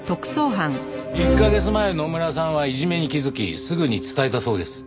１カ月前野村さんはいじめに気づきすぐに伝えたそうです。